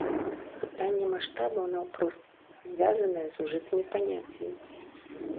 Пытанне маштабаў наўпрост звязанае з ужытымі паняццямі.